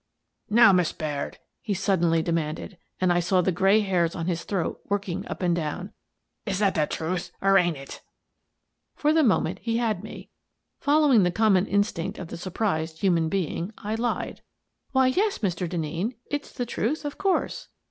" Now, Miss Baird," he suddenly demanded, — and I saw the gray hairs on his throat working up and down, —" is that the truth or ain't it ?" For the moment he had me. Following the common instinct of the surprised human being, I lied. " Why, yes, Mr. Denneen, it's the truth, of course."